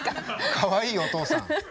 かわいいお父さん。